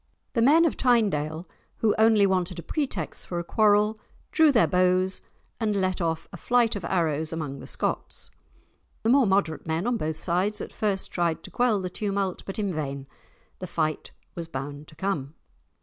The men of Tynedale, who only wanted a pretext for a quarrel, drew their bows and let off a flight of arrows among the Scots. The more moderate men on both sides at first tried to quell the tumult, but in vain. The fight was bound to come.